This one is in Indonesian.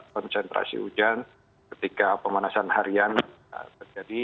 konsentrasi hujan ketika pemanasan harian terjadi